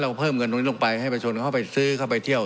เพิ่มเงินตรงนี้ลงไปให้ประชนเข้าไปซื้อเข้าไปเที่ยว